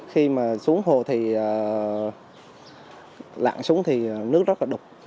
khi mà xuống hồ thì lặn xuống thì nước rất là đục